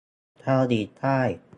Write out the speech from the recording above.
เกาหลีใต้